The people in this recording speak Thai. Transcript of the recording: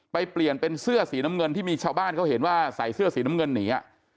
เปลี่ยนเป็นเสื้อสีน้ำเงินที่มีชาวบ้านเขาเห็นว่าใส่เสื้อสีน้ำเงินหนี